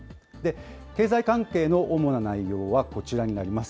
経済関係の主な内容はこちらになります。